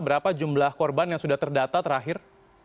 berapa jumlah korban yang sudah terdata terakhir